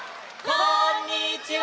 こんにちは！